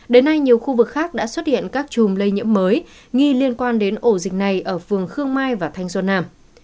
đến nay nhiều khu vực khác đã xuất hiện các chùm lây nhiễm mới nghi liên quan đến ổ dịch này ở phường khương mai và thanh xuân nam